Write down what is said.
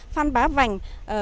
phan bá vành